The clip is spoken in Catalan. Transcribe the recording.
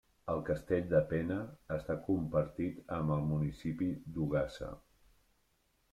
El castell de Pena està compartit amb el municipi d'Ogassa.